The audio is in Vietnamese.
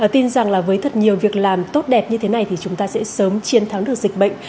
tin rằng là với thật nhiều việc làm tốt đẹp như thế này thì chúng ta sẽ sớm chiến thắng được dịch bệnh